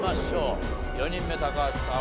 ４人目高橋さん